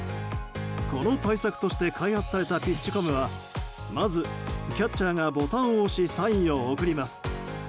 この対策として開発されたピッチコムはまずキャッチャーがボタンを押しサインを送ります。